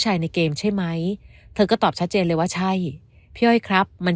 ในเกมใช่ไหมเธอก็ตอบชัดเจนเลยว่าใช่พี่อ้อยครับมัน